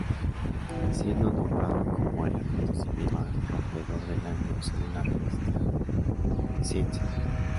Siendo nombrado como "el acontecimiento más rompedor del año" según la revista Science.